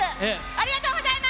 ありがとうございます。